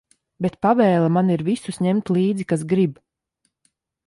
Bet pavēle man ir visus ņemt līdzi, kas grib.